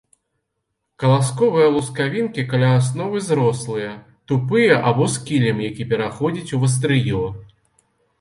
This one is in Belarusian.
Каласковыя лускавінкі каля асновы зрослыя, тупыя або з кілем, які пераходзіць у вастрыё.